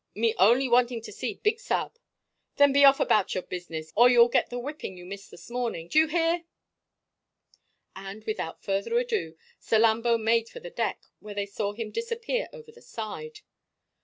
"Me only wanting to see big sa'b." "Then be off about your business, or you'll get the whipping you missed this morning. Do you hear?" And, without further ado, Salambo made for the deck, where they saw him disappear over the side.